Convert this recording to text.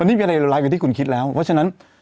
นี่มีอะไรร้ายกว่าที่คุณคิดแล้วเพราะฉะนั้น